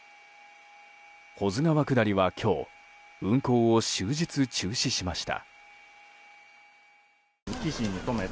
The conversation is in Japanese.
保津川下りは今日運航を終日中止しました。